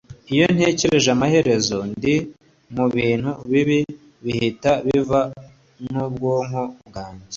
iyo ntekereje ko amaherezo ndi mubintu bibi bihita biva mubwonko bwanjye